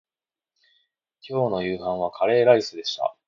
今日の夕飯はカレーライスでした